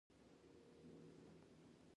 ابن سینا یې ډېر درناوی وکړ په پښتو ژبه.